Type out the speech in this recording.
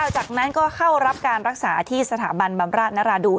จากนั้นก็เข้ารับการรักษาที่สถาบันบำราชนราดูน